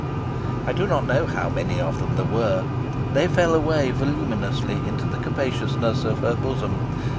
I do not know how many of them there were. They fell away voluminously into the capaciousness of her bosom.